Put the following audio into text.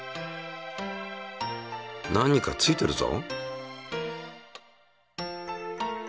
何かついてるぞ。